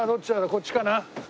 こっちかな？